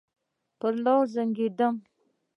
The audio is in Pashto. پر لار زنګېدم.